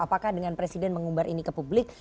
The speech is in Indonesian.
apakah dengan presiden mengumbar ini ke publik